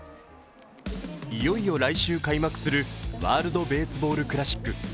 いよいよ来週開幕するワールドベースボールクラシック。